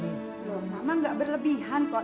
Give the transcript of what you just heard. loh mama gak berlebihan kok